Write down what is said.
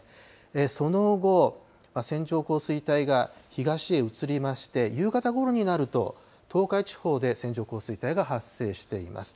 その後、線状降水帯が東へ移りまして、夕方ごろになると、東海地方で線状降水帯が発生しています。